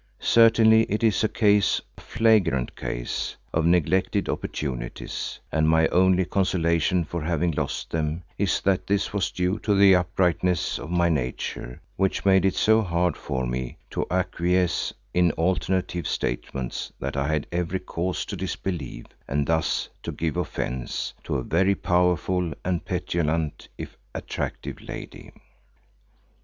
Certainly it is a case, a flagrant case, of neglected opportunities, and my only consolation for having lost them is that this was due to the uprightness of my nature which made it so hard for me to acquiesce in alternative statements that I had every cause to disbelieve and thus to give offence to a very powerful and petulant if attractive lady.